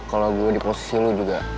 kalau gue di posisi lu juga